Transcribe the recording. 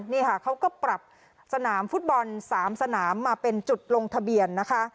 นี่ค่ะเขาก็ปรับสนามฟุตบอล๓สนามมาเป็นจุดลงทะเบียนนะคะ